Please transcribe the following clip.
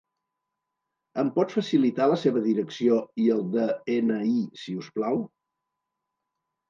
Em pot facilitar la seva direcció i el de-ena-i, si us plau?